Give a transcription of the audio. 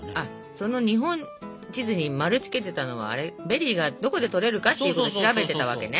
その日本地図に丸つけてたのはベリーがどこで採れるかっていうことを調べてたわけね。